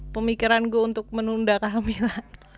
pemikiran gue untuk menunda kehamilan